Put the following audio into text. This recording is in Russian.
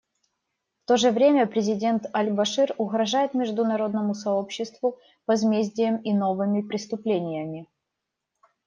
В то же время президент Аль-Башир угрожает международному сообществу возмездием и новыми преступлениями.